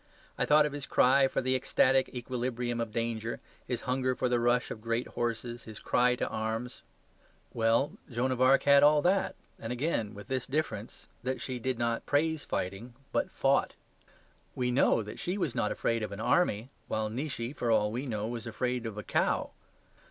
I thought of his cry for the ecstatic equilibrium of danger, his hunger for the rush of great horses, his cry to arms. Well, Joan of Arc had all that, and again with this difference, that she did not praise fighting, but fought. We KNOW that she was not afraid of an army, while Nietzsche, for all we know, was afraid of a cow.